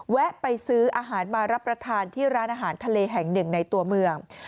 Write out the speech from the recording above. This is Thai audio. แวะไปซื้ออาหารมารับประทานที่ร้านอาหารทะเลแห่งหนึ่งในตัวเมือง